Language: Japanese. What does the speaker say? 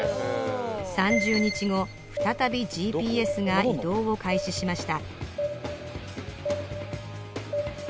３０日後再びＧＰＳが移動を開始しました